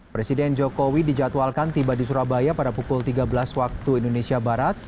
presiden jokowi dijadwalkan tiba di surabaya pada pukul tiga belas waktu indonesia barat